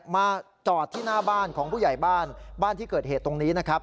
มาจอดที่หน้าบ้านของผู้ใหญ่บ้านบ้านที่เกิดเหตุตรงนี้นะครับ